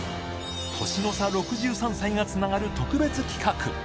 年の差６３歳がつながる特別企画。